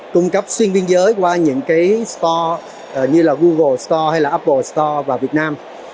cung cấp xuyên biên giới qua những cái store như là google store hay là apple store và việt nam